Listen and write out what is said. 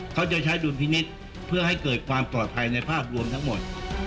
เขาจะใช้ดุลพินิษฐ์เพื่อให้เกิดความปลอดภัยในภาพรวมทั้งหมด